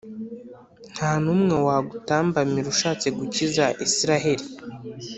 nta n’umwe wagutambamira ushatse gukiza israheli,